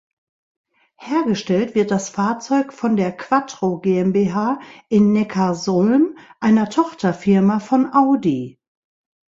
Hergestellt wird das Fahrzeug von der quattro GmbH in Neckarsulm, einer Tochterfirma von Audi.